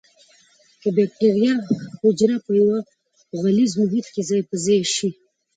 که بکټریا حجره په یو غلیظ محیط کې ځای په ځای شي.